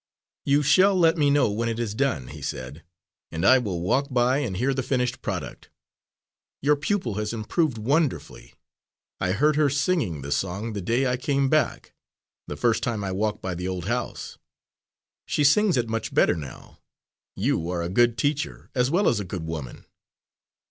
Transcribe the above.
"You shall let me know when it is done," he said, "and I will walk by and hear the finished product. Your pupil has improved wonderfully. I heard her singing the song the day I came back the first time I walked by the old house. She sings it much better now. You are a good teacher, as well as a good woman."